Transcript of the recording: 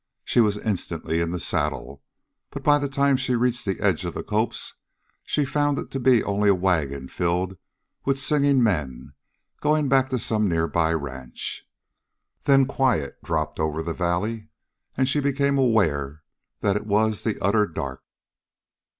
She was instantly in the saddle, but, by the time she reached the edge of the copse, she found it to be only a wagon filled with singing men going back to some nearby ranch. Then quiet dropped over the valley, and she became aware that it was the utter dark.